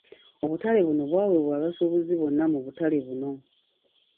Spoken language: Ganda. Obutale buno bwaweebwa abasuubuzi bonna mu butale buno.